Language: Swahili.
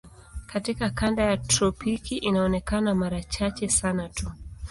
Katika kanda ya tropiki inaonekana mara chache sana tu.